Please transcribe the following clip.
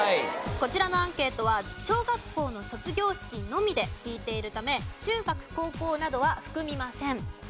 こちらのアンケートは小学校の卒業式のみで聞いているため中学高校などは含みません。